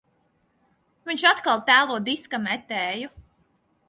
Viņš atkal tēlo diska metēju.